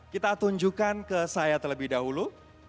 kita tunjukkan ke saya terlebih dahulu